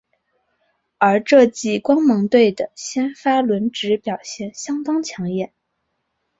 而这季光芒队的先发轮值表现相当抢眼。